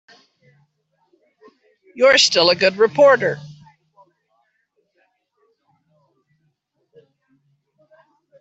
You're still a good reporter.